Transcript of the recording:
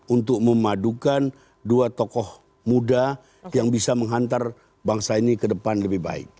untuk memadukan dua tokoh muda yang bisa menghantar bangsa ini ke depan lebih baik